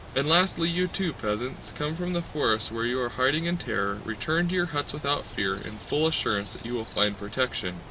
And lastly you too, peasants, come from the forests where you are hiding in terror, return to your huts without fear, in full assurance that you will find protection!